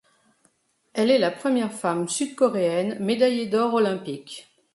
Elle est la première femme sud-coréenne médaillée d'or olympique.